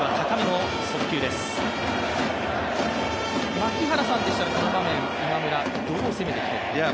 槙原さんでしたらこの場面、今村はどう攻めていきたいと思いますか？